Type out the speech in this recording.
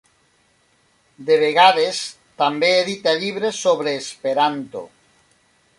De vegades també edita llibres sobre Esperanto.